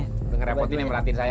nggak ngerepotin yang perhatiin saya